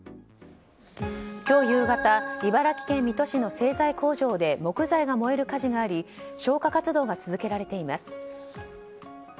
今日夕方茨城県水戸市の製材工場で木材が燃える火事があり消火活動が続けられています。